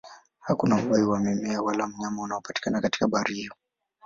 Hakuna uhai wa mimea wala wanyama unaopatikana katika bahari hiyo.